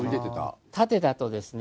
縦だとですね